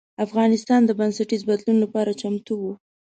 افغانستان د بنسټیز بدلون لپاره چمتو و.